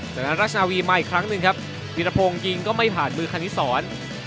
จากนั้นราชนาวีมาอีกครั้งหนึ่งครับวีรพงศ์ยิงก็ไม่ผ่านมือคณิสร